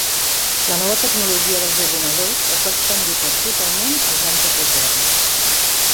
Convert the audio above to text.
La nova tecnologia dels ordinadors es va expandir per tot el món els anys de postguerra.